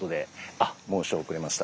あ申し遅れました。